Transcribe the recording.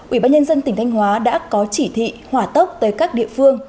ubnd tỉnh thanh hóa đã có chỉ thị hỏa tốc tới các địa phương